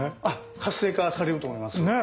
活性化されると思います。